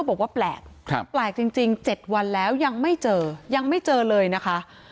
บอกว่าแปลกแปลกจริง๗วันแล้วยังไม่เจอยังไม่เจอเลยนะคะ